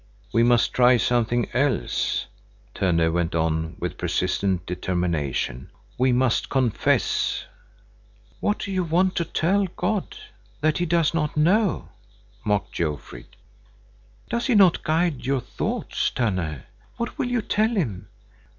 "We must try something else," Tönne went on with persistent determination. "We must confess." "What do you want to tell God, that He does not know?" mocked Jofrid. "Does He not guide your thoughts, Tönne? What will you tell Him?"